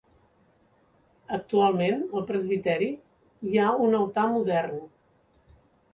Actualment, al presbiteri, hi ha un altar modern.